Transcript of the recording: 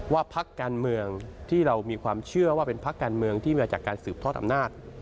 พักการเมืองที่เรามีความเชื่อว่าเป็นพักการเมืองที่มาจากการสืบทอดอำนาจ